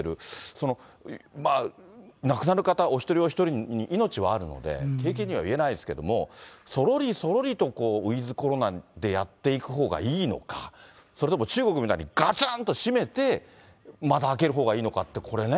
その亡くなる方、お一人お一人に命はあるので、軽々には言えないですけれども、そろりそろりとウィズコロナでやっていくほうがいいのか、それとも中国みたいに、がつんと締めて、またあけるほうがいいのかって、これね。